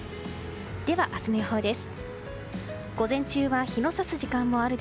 では明日の予報です。